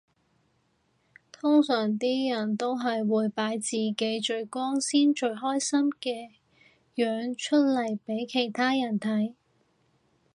通常啲人都係會擺自己最光鮮最開心嘅樣出嚟俾其他人睇